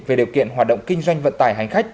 về điều kiện hoạt động kinh doanh vận tải hành khách